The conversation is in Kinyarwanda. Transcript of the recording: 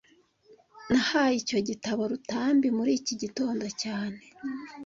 Nahaye icyo gitabo Rutambi muri iki gitondo cyane